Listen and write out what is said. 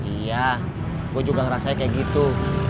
iya gue juga ngerasanya kayak gitu